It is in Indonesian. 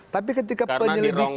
tapi ketika penyelidikan